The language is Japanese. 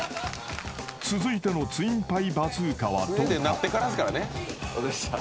［続いてのツインパイバズーカはどうか？］